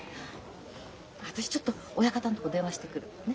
私ちょっと親方んとこ電話してくる。ね。